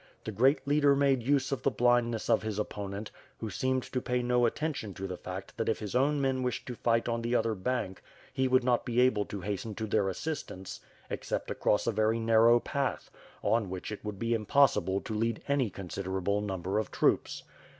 The great leader made use of the blindness of his opponent, who seemed to pay no attention to the fact that if his own men wished to fight on the other bank he would not be able to hasten to their assistance except across a very narrow path, on which it would be impossible to lead any considerable number of troops.